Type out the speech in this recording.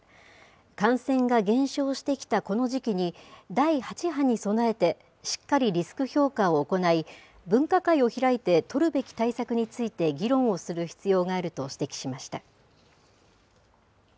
感染が減少してきたこの時期に第８波に備えて、しっかりリスク評価を行い、分科会を開いて取るべき対策について議論をする必要があると指摘しました。